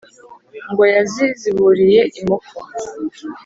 ngo yaziziburiye imoko